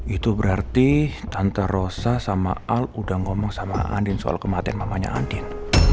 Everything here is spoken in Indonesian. itu berarti antara rosa sama al udah ngomong sama andin soal kematian mamanya andin